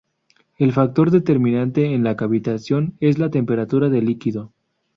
El factor determinante en la cavitación es la temperatura del líquido.